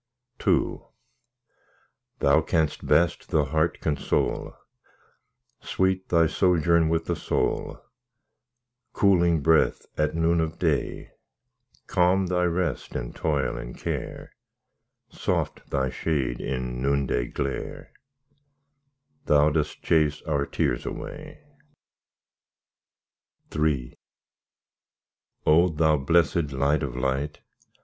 II Thou canst best the heart console; Sweet Thy sojourn with the soul— Cooling breath at noon of day, Calm Thy rest in toil and care, Soft Thy shade in noontide glare— Thou dost chase our tears away. III O! Thou blessed Light of light!